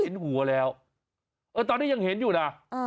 เห็นหัวแล้วตอนนี้ยังเห็นอยู่นะ